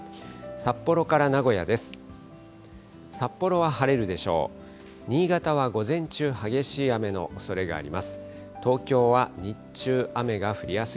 札幌から名古屋です。